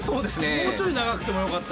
もうちょい長くてもよかった。